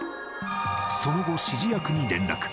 その後、指示役に連絡。